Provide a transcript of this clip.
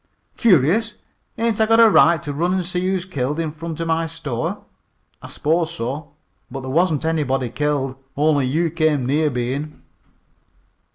"Curious! Ain't I got a right to run an' see who's killed in front of my store?" "I s'pose so. But there wasn't anybody killed; only you came near being."